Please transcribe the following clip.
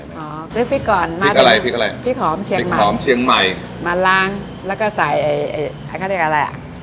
เออลืมพริกก่อนมาดูพริกหอมเชียงใหม่มาล้างแล้วก็ใส่ไอ่เค้าเรียกอะไรอ่ะ